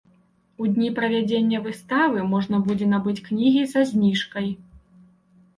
У дні правядзення выставы можна будзе набыць кнігі са зніжкай.